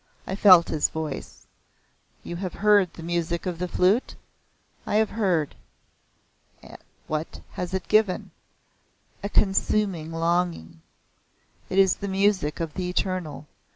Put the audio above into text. I felt his voice. "You have heard the music of the Flute?" "I have heard." "What has it given?" "A consuming longing." "It is the music of the Eternal.